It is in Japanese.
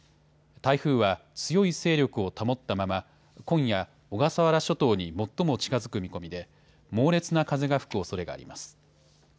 台風は強い勢力を保ったまま今夜、小笠原諸島に最も近づく見込みで猛烈な風が吹くおそれがあります。